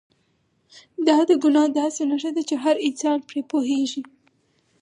دا د ګناه داسې نښه ده چې هر انسان پرې پوهېږي.